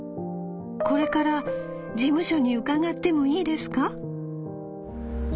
これから事務所に伺ってもいいですか？』」。